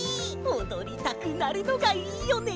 おどりたくなるのがいいよね！